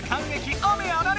雨あられ！